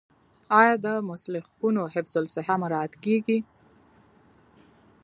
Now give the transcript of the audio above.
آیا د مسلخونو حفظ الصحه مراعات کیږي؟